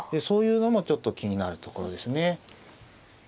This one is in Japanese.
そういうのもちょっと気になるところですよね。